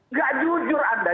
nggak jujur anda